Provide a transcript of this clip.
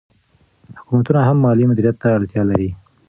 حکومتونه هم مالي مدیریت ته اړتیا لري.